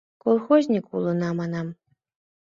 — Колхозник улына, манам.